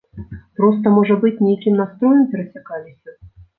Проста, можа быць, нейкім настроем перасякаліся.